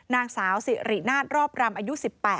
นางสาวสิรินาทรอบรำอายุ๑๘